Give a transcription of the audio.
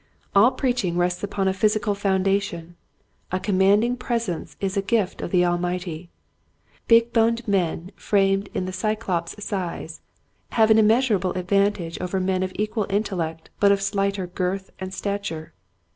All preaching rests upon a physical foundation. A commanding presence is a gift of the Almighty. *' Big boned men framed of the Cyclops size " have an im measurable advantage over men of equal intellect but of slighter girth and stature.